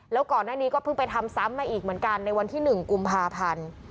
แล้วก่อนหน้านี้ก็เพิ่งไปทำซ้ำมาอีกเหมือนกันในวันที่๑กุมภาพันธ์